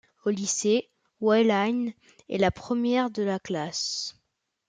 Au lycée, Weilan est la première de la classe.